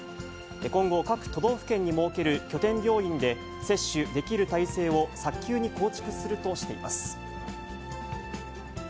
今後、各都道府県に設ける拠点病院で、接種できる体制を早急に構築するとしています。